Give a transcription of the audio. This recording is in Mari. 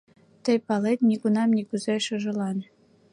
Тый палет: нигунам, нигузе шыжылан